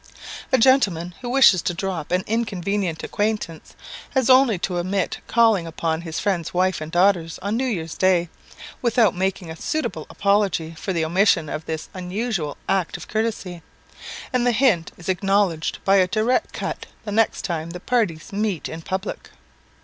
A gentleman who wishes to drop an inconvenient acquaintance, has only to omit calling upon his friend's wife and daughters on New Year's day, without making a suitable apology for the omission of this usual act of courtesy, and the hint is acknowledged by a direct cut the next time the parties meet in public.